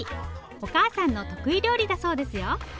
お母さんの得意料理だそうですよ。